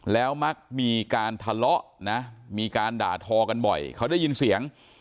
แล้วมักมีการทะเลาะนะมีการด่าทอกันบ่อยเขาได้ยินเสียง